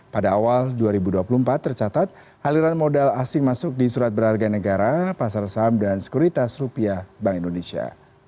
pada awal dua ribu dua puluh empat tercatat aliran modal asing masuk di surat berharga negara pasar saham dan sekuritas rupiah bank indonesia